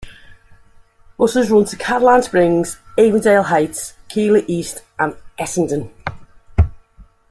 Buses run to Caroline Springs, Avondale Heights, Keilor East and Essendon.